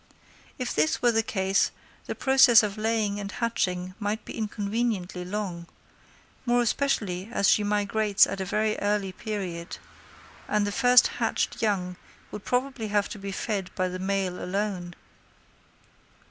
If this were the case the process of laying and hatching might be inconveniently long, more especially as she migrates at a very early period; and the first hatched young would probably have to be fed by the male alone.